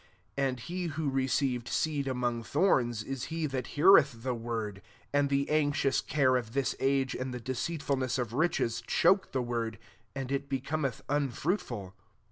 22 And he who received seed among thorns, is he that heareth the word ; and the anxious care of this age and the deceitfulness of riches, choke the word, and it becometh unfruitful.